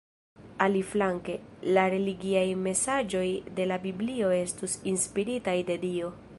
Aliflanke, la religiaj mesaĝoj de la Biblio estus inspiritaj de Dio.